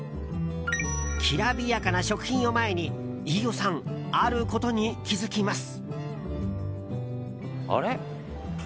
きらびやかな食品を前に飯尾さん、あることに気づきます。